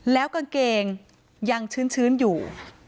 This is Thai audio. แล้วกางเกงยังชื้นอยู่